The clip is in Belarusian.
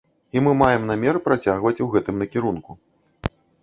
І мы маем намер працягваць у гэтым накірунку.